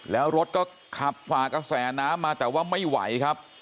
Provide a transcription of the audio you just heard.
แล้วรถก็ขับฝ่ากระแสน้ำมาแต่ว่าไม่ไหวครับ